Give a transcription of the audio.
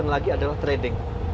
lagi adalah trading